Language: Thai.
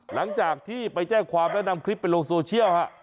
หลังจากที่ไปแจ้งความและนำคลิปไปลงโซเชียลฮะ